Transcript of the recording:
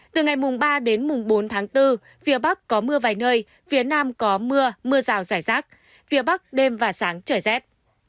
từ ngày mùng ba đến mùng bốn tháng bốn phía bắc có mưa vài nơi phía nam có mưa mưa rào rải rác phía bắc đêm và sáng trời rét